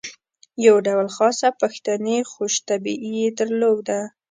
یو ډول خاصه پښتني خوش طبعي یې درلوده.